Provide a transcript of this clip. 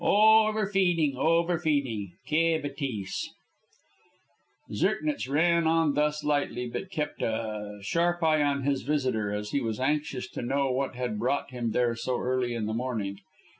Over eating, over feeding. Quelle bêtise." Zirknitz ran on thus lightly, but kept a sharp eye on his visitor, as he was anxious to know what had brought him there so early in the morning.